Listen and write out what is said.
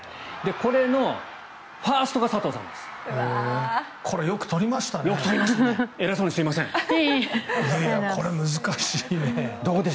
これのファーストが佐藤さんです。